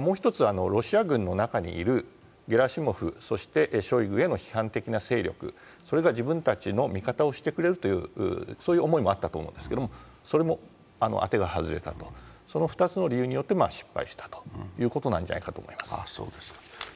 もう１つはロシア軍の中にいるゲラシモフ、ショイグへの批判的な勢力、それが自分たちの味方をしてくれるという思いもあったと思うんですがそれも当てが外れた、その２つの理由によって失敗したということではないかと思います。